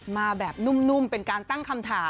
มาแบบนุ่มเป็นการตั้งคำถาม